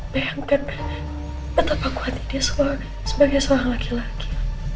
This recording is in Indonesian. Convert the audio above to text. bayangkan betapa kuat dia sebagai seorang laki laki